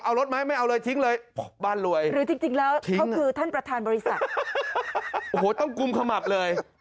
เอารถไหมไม่เอาเลยทิ้งเลย